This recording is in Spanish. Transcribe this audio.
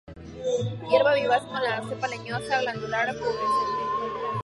Hierba vivaz con cepa leñosa, glandular-pubescente.